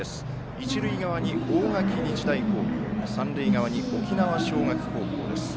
一塁側に大垣日大高校三塁側に沖縄尚学高校です。